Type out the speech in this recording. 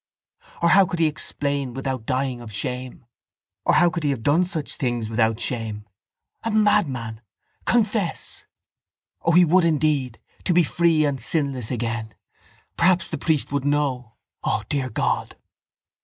Or how could he explain without dying of shame? Or how could he have done such things without shame? A madman! Confess! O he would indeed to be free and sinless again! Perhaps the priest would know. O dear God!